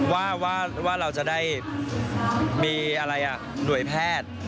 ว่าเราจะได้มีอะไรหน่วยแพทย์